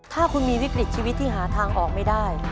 ถ้าคุณมีวิกฤตชีวิตที่หาทางออกไม่ได้